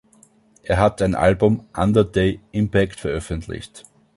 Er hat ein Album "Under the Impact" veröffentlicht.